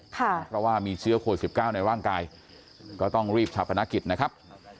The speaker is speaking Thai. เพราะว่ามีเชื้อโควิด๑๙ในร่างกายก็ต้องรีบชาปนกิจนะครับ